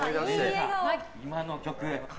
今の曲鐘